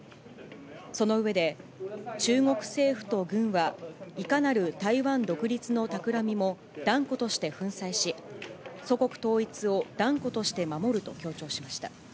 その上で、中国政府と軍はいかなる台湾独立のたくらみも断固として粉砕し、祖国統一を断固として守ると強調しました。